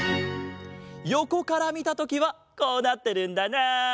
よこからみたときはこうなってるんだなあ。